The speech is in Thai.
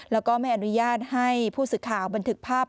แล้วก็ไม่อนุญาตให้ผู้สื่อข่าวบันทึกภาพ